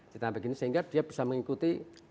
kita begini sehingga dia bisa mengikuti